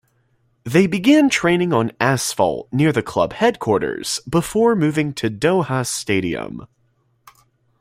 They began training on asphalt near the club headquarters, before moving to Doha Stadium.